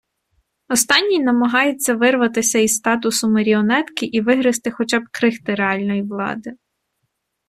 Останній намагається вирватися із статусу маріонетки і вигризти хоча б крихти реальної влади.